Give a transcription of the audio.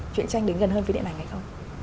chuyện tranh đến gần hơn với điện ảnh hay không